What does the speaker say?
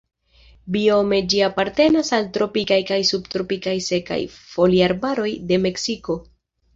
Biome ĝi apartenas al tropikaj kaj subtropikaj sekaj foliarbaroj de Meksiko.